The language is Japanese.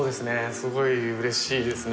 すごい嬉しいですね